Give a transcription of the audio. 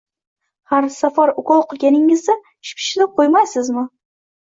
Har safar ukol qilganingizda shipshitib qo`ymaysizmi